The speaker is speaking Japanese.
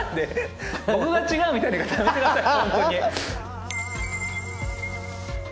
僕は違うみたいな言い方やめてくださいホントに。